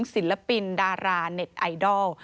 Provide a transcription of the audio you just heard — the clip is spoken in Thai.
ศิลปินดาราเน็ตไอดอล